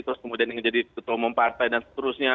terus kemudian ingin jadi ketua umum partai dan seterusnya